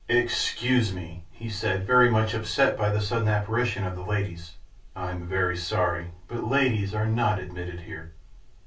"Excuse me," he said, very much upset by the sudden apparition of the ladies. "I'm very sorry, but ladies are not admitted here."